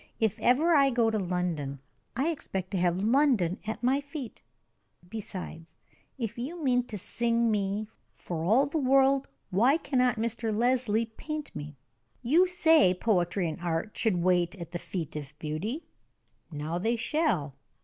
If ever I go to London, I expect to have London at my feet. Besides, if you mean to sing me, for all the world, why cannot Mr. Leslie paint me. You say Poetry and Art should wait at the feet of Beauty. Now they shall!"